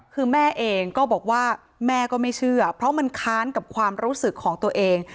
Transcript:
คือแม่เองก็บอกว่าแม่ก็ไม่เชื่อเพราะมันค้านกับความรู้สึกของตัวเอง